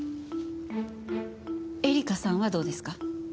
恵利香さんはどうですか？